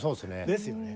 ですよね。